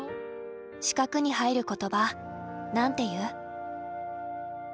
四角に入る言葉何て言う？